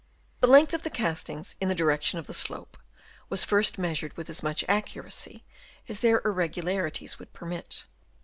The length of the castings in the direction of the slope w r as first measured with as much accuracy as their irregularities would permit.